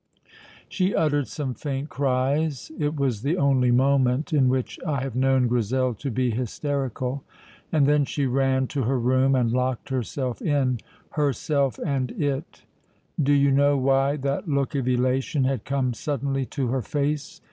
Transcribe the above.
She uttered some faint cries (it was the only moment in which I have known Grizel to be hysterical), and then she ran to her room and locked herself in herself and it. Do you know why that look of elation had come suddenly to her face?